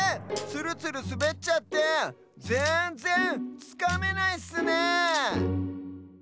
ツルツルすべっちゃってぜんぜんつかめないッスねえ。